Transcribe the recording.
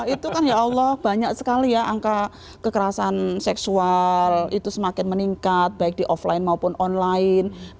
itu kan ya allah banyak sekali ya angka kekerasan seksual itu semakin meningkat baik di offline maupun online